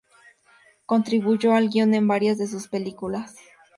Contribuyó al guion en varias de sus películas.